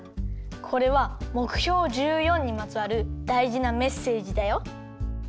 これはもくひょう１４にまつわるだいじなメッセージだよ。